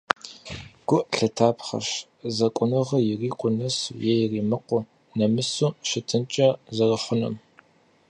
Гу лъытапхъэщ зэкӏуныгъэр ирикъуу нэсу е иримыкъуу, нэмысу щытынкӏэ зэрыхъунум.